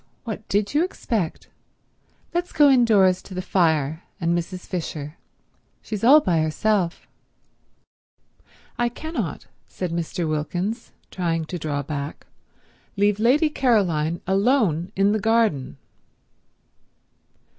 What did you expect? Let's go indoors to the fire and Mrs. Fisher. She's all by herself." "I cannot," said Mr. Wilkins, trying to draw back, "leave Lady Caroline alone in the garden."